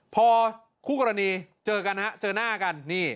พอคู่กรณีเจอกันฮะเจอหน้ากัน